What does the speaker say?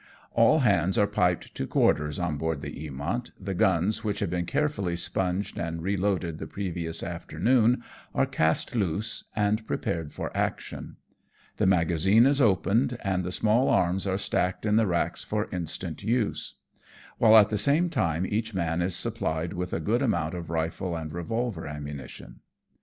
211 All hands are piped to quarters on board the Eamont, the guns which had been carefully sponged and re loaded the previous afternoon are cast loose, and prepared for action ; the magazine is opened, and the small arms are stacked in the racks for instant use ; while at the same time each man is supplied with a good amount of rifle and revolver ammunition.